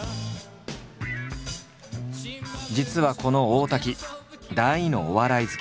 実はこの大滝大のお笑い好き。